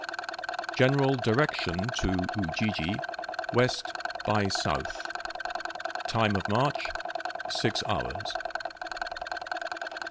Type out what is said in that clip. General direction to Ujiji, west by south. Time of march, six hours.